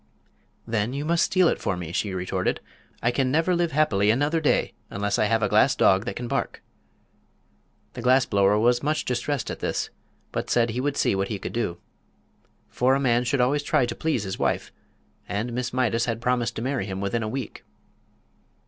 "Then you must steal it for me," she retorted. "I can never live happily another day unless I have a glass dog that can bark." The glass blower was much distressed at this, but said he would see what he could do. For a man should always try to please his wife, and Miss Mydas has promised to marry him within a week.